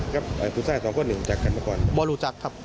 ครับผู้ทรายสองคนหนึ่งจัดกันมาก่อนไม่เคยรู้จักครับ